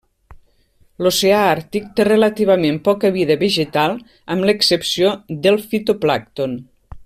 L'oceà Àrtic té relativament poca vida vegetal amb l'excepció del fitoplàncton.